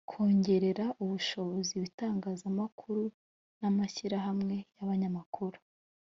kongerera ubushobozi ibitangazamakuru n amashyirahamwe y abanyamakuru